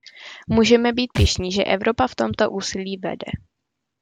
Můžeme být pyšní, že Evropa v tomto úsilí vede.